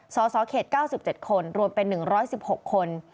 สสเขต๙๗คนรวมเป็น๑๑๖คน